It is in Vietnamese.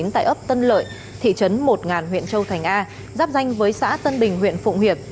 tại ấp tân lợi thị trấn một huyện châu thành a giáp danh với xã tân bình huyện phụng hiệp